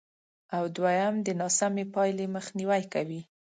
او دوېم د ناسمې پایلې مخنیوی کوي،